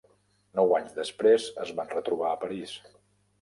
Nou anys després es van retrobar a París.